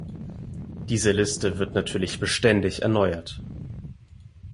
Diese Liste wird natürlich beständig erneuert.